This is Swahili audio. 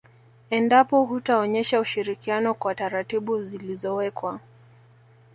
Endapo hutaonyesha ushirikiano kwa taratibu zilizowekwa